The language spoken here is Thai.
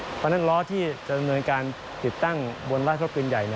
เพราะฉะนั้นล้อที่จะดำเนินการติดตั้งบนราชปืนใหญ่